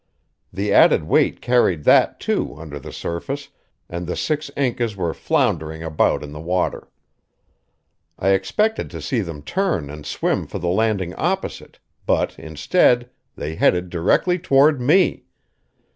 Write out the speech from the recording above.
The added weight carried that, too, under the surface, and the six Incas were floundering about in the water. I expected to see them turn and swim for the landing opposite; but, instead, they headed directly toward me!